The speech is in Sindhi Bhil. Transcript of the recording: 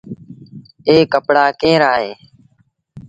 اي ڪپڙآ ڪݩهݩ رآ اهيݩ۔